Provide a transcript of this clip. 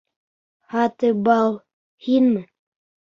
Һатыбал, һинме?